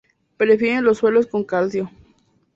Prefiere los suelos con calcio.